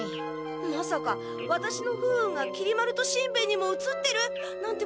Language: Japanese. まさかワタシの不運がきり丸としんべヱにもうつってるなんてことは。